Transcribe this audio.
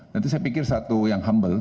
nanti saya pikir satu yang humble